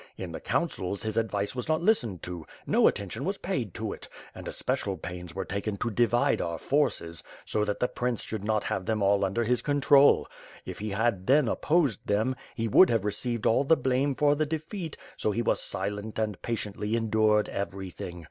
In the councils, his advice was not listened to; no attention was paid to it; and especial pains was taken to divide our forces, so that the prince should not have them all lender his control. ' If he had then opposed them, he would have received all the blame for the defeat, so he was silent and patiently endured everything.